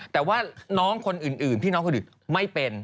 แต่ว่าน้องคนอื่นพี่น้องคนอื่นไม่เป็น